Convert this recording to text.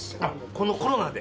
このコロナで。